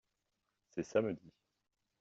C’est samedi.